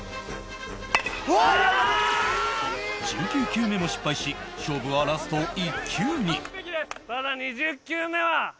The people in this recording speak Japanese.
１９球目も失敗し勝負はラスト１球に